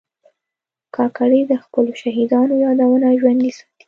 کاکړي د خپلو شهیدانو یادونه ژوندي ساتي.